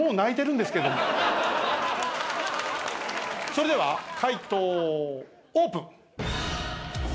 それでは解答オープン。